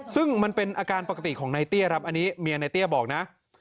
ซึ่งมันเป็นอาการปกติของนายเตี้ยครับอันนี้เมียในเตี้ยบอกนะ